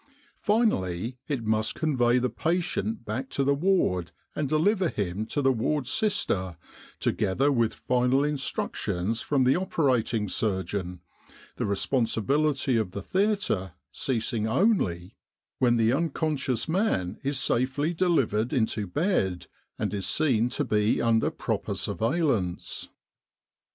Finally, it must convey the patient back to the ward and deliver him to the ward sister together with final instructions from the operating surgeon, the responsibility of the theatre ceasing only when the unconscious man is safely delivered into bed and is seen to be under proper surveillance.